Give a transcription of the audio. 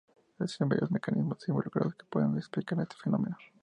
Existen varios mecanismos involucrados que pueden explicar este fenómeno.